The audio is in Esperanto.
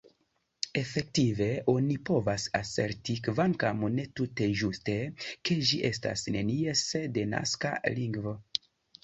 Efektive, oni povas aserti, kvankam ne tute ĝuste, ke ĝi estas nenies denaska lingvo.